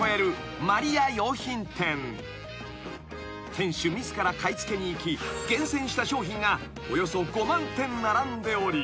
［店主自ら買い付けに行き厳選した商品がおよそ５万点並んでおり］